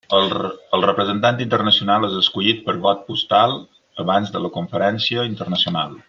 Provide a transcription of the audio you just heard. El representant internacional és escollit per vot postal abans de la conferència internacional.